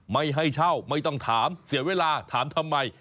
ไม่ให้เช่าไม่ต้องถามเสียเวลาถามทำไม